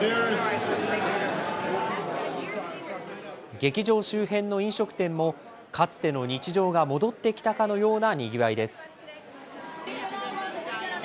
劇場周辺の飲食店も、かつての日常が戻ってきたかのようなにぎわいです。